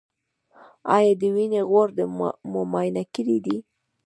ایا د وینې غوړ مو معاینه کړي دي؟